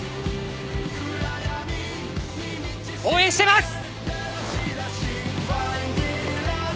応援してます！